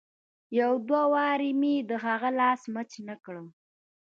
يو دوه وارې مې د هغه لاس مچ نه کړ.